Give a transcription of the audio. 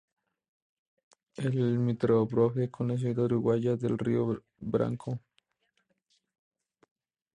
Es limítrofe con la ciudad uruguaya de Río Branco.